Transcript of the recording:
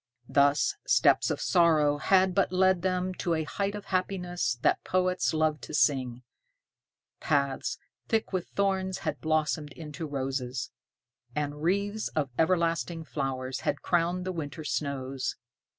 Thus steps of sorrow had but led them to a height of happiness that poets love to sing. Paths thick with thorns had blossomed into roses, and wreaths of everlasting flowers had crowned the winter snows.